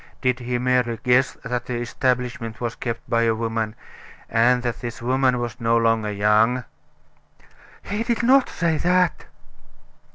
Did he merely guess that the establishment was kept by a woman; and that this woman was no longer young?" "He did not say that."